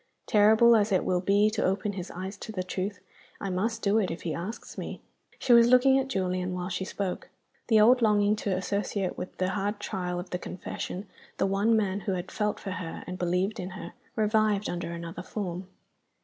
Terrible as it will be to open his eyes to the truth, I must do it if he asks me." She was looking at Julian while she spoke. The old longing to associate with the hard trial of the confession the one man who had felt for her, and believed in her, revived under another form.